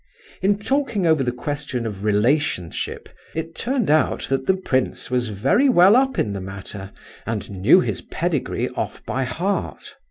In talking over the question of relationship it turned out that the prince was very well up in the matter and knew his pedigree off by heart.